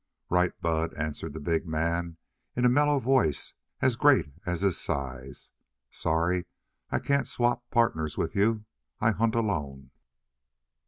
"Right, Bud," answered the big man in a mellow voice as great as his size. "Sorry I can't swap partners with you, but I hunt alone."